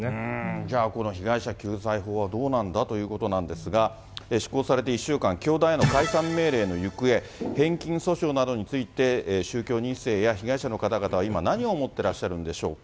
じゃあこの被害者救済法はどうなんだということですが、施行されて１週間、教団への解散命令の行方、返金訴訟などについて、宗教２世や被害者の方々は今、何を思ってらっしゃるんでしょうか。